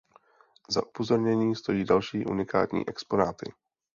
Za upozornění stojí další unikátní exponáty.